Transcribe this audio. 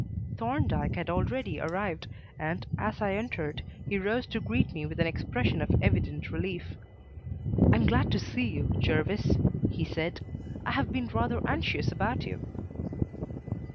Thorndyke had already arrived, and, as I entered, he rose to greet me with an expression of evident relief. "I am glad to see you, Jervis," he said. "I have been rather anxious about you."